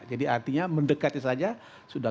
jadi artinya mendekati saja sudah